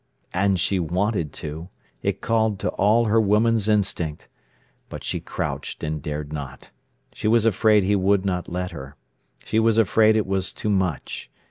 And she wanted to. It called to all her woman's instinct. But she crouched, and dared not. She was afraid he would not let her. She was afraid it was too much.